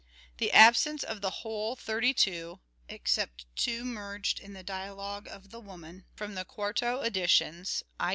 " The absence of the whole tnirty two (except two merged in the dialogue of ' The Woman ') from the quarto editions (i.